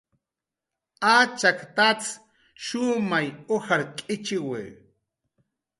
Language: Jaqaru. Achak tats shumay ujar k'ichiwi